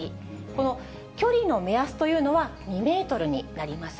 この距離の目安というのは２メートルになります。